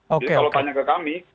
jadi kalau tanya ke kami